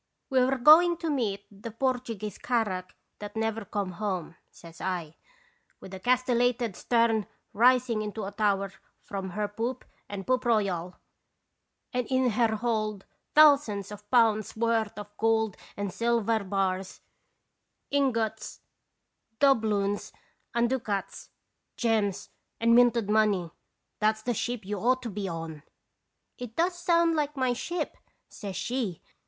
are going to meet the Portuguese 172 & radons Visitation. carrack that never come home,' says I, 'with a castellated stern rising into a tower from her poop and pooproyal, and in her hold thousands of pounds' worth of gold and silver bars, ingots, doubloons and ducats, gems, and minted money. That's the ship you ought to be on !' "'It does sound like 'my ship',' says she.